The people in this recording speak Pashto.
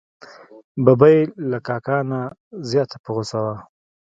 ببۍ له کاکا نه زیاته په غوسه وه.